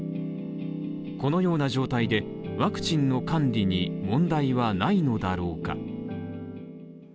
このような状態で、ワクチンの管理に問題はないのだろうか。